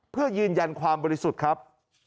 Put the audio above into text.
เพื่อยืนยันความบริสุทธิ์ครับ